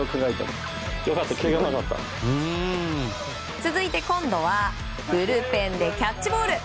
続いて今度はブルペンでキャッチボール。